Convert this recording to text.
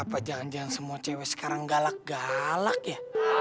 apa jangan jangan semua cewek sekarang galak galak ya